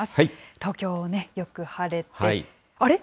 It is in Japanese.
東京ね、よく晴れて、あれ？